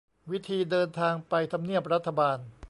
วิธีเดินทางไปทำเนียบรัฐบาล